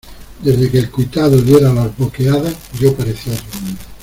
desde que el cuitado diera las boqueadas, yo parecía otro hombre: